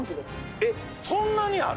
えっそんなにある？